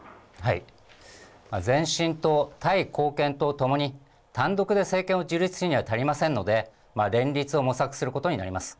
前進党、タイ貢献党ともに、単独で政権を樹立するには足りませんので、連立を模索することになります。